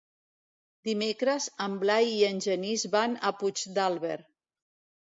Dimecres en Blai i en Genís van a Puigdàlber.